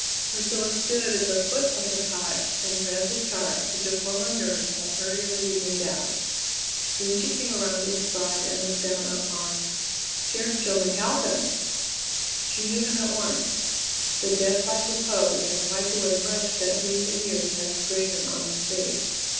Priscilla stood at the foot of the cot and read the chart which a former nurse had hurriedly made out; then she came around to the side and looked down upon Jerry Jo McAlpin! She knew him at once. The deathlike repose had wiped away much that recent years had engraven on his face.